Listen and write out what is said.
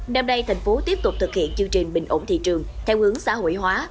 năm nay tp hcm tiếp tục thực hiện chương trình bình ổn thị trường theo hướng xã hội hóa